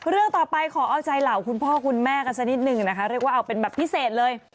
เรื่องต่อไปขอเอาใจเหล่าคุณพ่อคุณแม่กันสักนิดหนึ่งนะคะเรียกว่าเอาเป็นแบบพิเศษเลย